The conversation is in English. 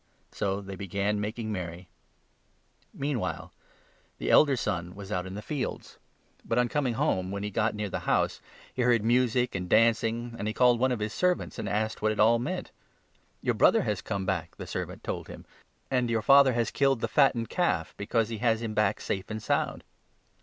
So they began making merry. Meanwhile the 25 elder son was out in the fields ; but, on coming home, when he got near the house, he heard music and dancing, and he 26 called one of the servants and asked what it all meant. 'Your brother has come back,' the servant told him, 'and 27 your father has killed the fattened calf, because he has him back safe and sound.'